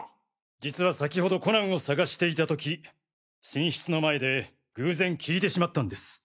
実は先程コナンを探していた時寝室の前で偶然聞いてしまったんです。